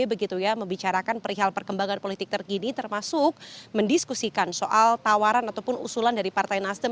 begitu ya membicarakan perihal perkembangan politik terkini termasuk mendiskusikan soal tawaran ataupun usulan dari partai nasdem